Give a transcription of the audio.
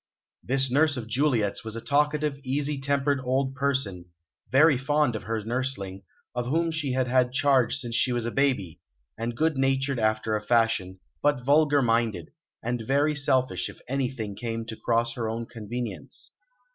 This nurse of Juliet's was a talkative, easy tempered old person, very fond of her nursling of whom she had had charge since she was a baby and good natured after a fashion, but vulgar minded, and very selfish if anything came to cross her own convenience.